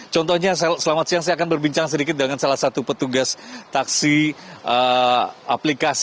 contohnya selamat siang saya akan berbincang sedikit dengan salah satu petugas taksi aplikasi